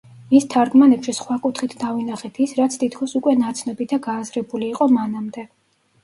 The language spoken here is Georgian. მის თარგმანებში სხვა კუთხით დავინახეთ ის, რაც თითქოს უკვე ნაცნობი და გააზრებული იყო მანამდე.